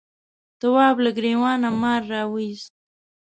تواب له گرېوانه مار راوایست.